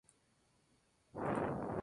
El sencillo "Life is Beautiful" llegó al No.